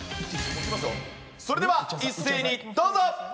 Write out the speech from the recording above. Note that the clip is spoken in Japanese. それでは一斉にどうぞ！